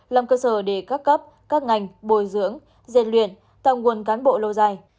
làm cơ sở để các cấp các ngành bồi dưỡng rèn luyện tạo nguồn cán bộ lâu dài